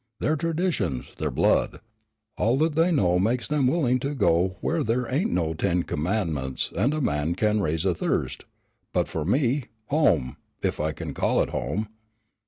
Their traditions, their blood, all that they know makes them willing to go 'where there ain't no ten commandments and a man can raise a thirst,' but for me, home, if I can call it home."